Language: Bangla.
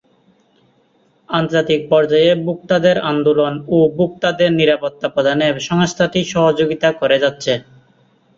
আন্তর্জাতিক পর্যায়ে ভোক্তাদের আন্দোলন ও ভোক্তাদের নিরাপত্তা প্রদানে সংস্থাটি সহযোগিতা করে যাচ্ছে।